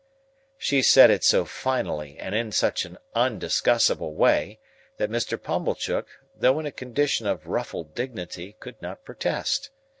She said it so finally, and in such an undiscussible way, that Mr. Pumblechook, though in a condition of ruffled dignity, could not protest.